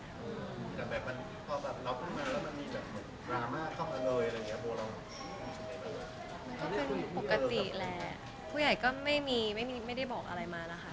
มันก็เป็นปกติแหละผู้ใหญ่ก็ไม่ได้บอกอะไรมานะคะ